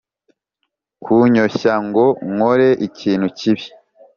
Kunyoshya ngo nkore ikintu kibi